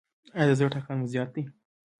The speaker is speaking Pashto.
ایا د زړه ټکان مو زیات دی؟